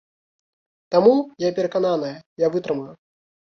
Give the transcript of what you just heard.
Таму, я перакананая, я вытрымаю.